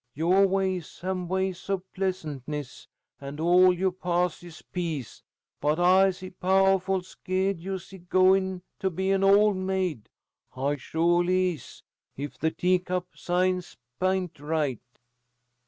Yo' ways am ways of pleasantness, and all yo' paths is peace, but I'se powahful skeered you'se goin' to be an ole maid. I sholy is, if the teacup signs p'int right.'"